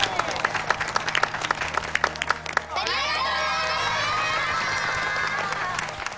ありがとう！